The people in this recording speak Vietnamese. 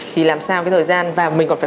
thì làm sao cái thời gian và mình còn phải